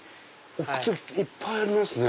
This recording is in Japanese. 靴いっぱいありますね。